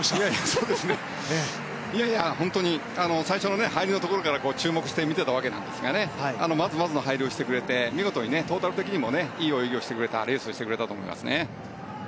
そうですね、いやいや最初の入りのところから注目してみていたんですがまずまずの入りをしてくれて見事に、トータル的にもいい泳ぎ、レースをしてくれたと思いますね。